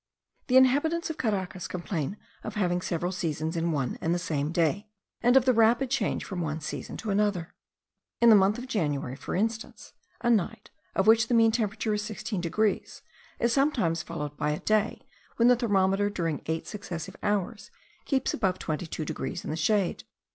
The inhabitants of Caracas complain of having several seasons in one and the same day; and of the rapid change from one season to another. In the month of January, for instance, a night, of which the mean temperature is 16 degrees, is sometimes followed by a day when the thermometer during eight successive hours keeps above 22 degrees in the shade.